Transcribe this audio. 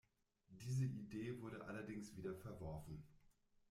Diese Idee wurde allerdings wieder verworfen.